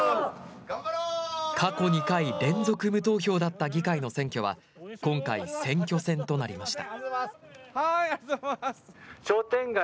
過去２回、連続無投票だった議会の選挙は今回、選挙戦となりました。